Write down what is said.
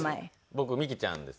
僕ミキちゃんです。